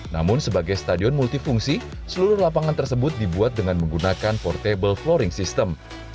namun sebagai stadion multifungsi seluruh lapangan tersebut dibuat dengan menggunakan portable floaring system